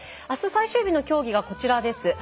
あす最終日の競技がこちらです。